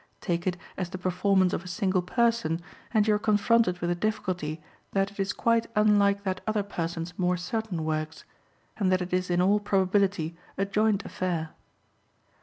Take it as the performance of a single person, and you are confronted with the difficulty that it is quite unlike that other person's more certain works, and that it is in all probability a joint affair.